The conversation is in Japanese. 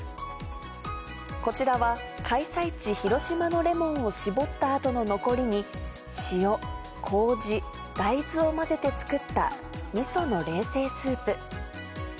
こちらは、開催地、広島のレモンを搾ったあとの残りに、塩、こうじ、大豆を混ぜて作ったみその冷製スープ。